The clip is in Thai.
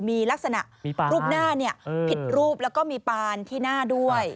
มีลักษณะรูปหน้าผิดรูปแล้วก็มีปานที่หน้าด้วย